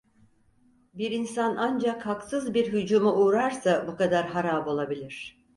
Bir insan ancak haksız bir hücuma uğrarsa bu kadar harap olabilir.